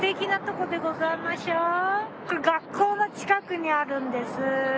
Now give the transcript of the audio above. これ学校の近くにあるんです。